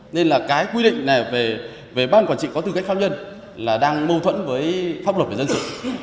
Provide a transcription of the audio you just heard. nên là cái quy định này về ban quản trị có tư cách pháp nhân là đang mâu thuẫn với pháp luật về dân sự